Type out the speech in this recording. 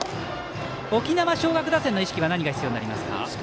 沖縄尚学打線は何が必要になりますか。